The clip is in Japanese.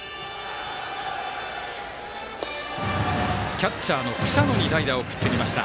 キャッチャーの草野に代打を送ってきました。